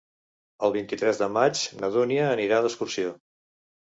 El vint-i-tres de maig na Dúnia anirà d'excursió.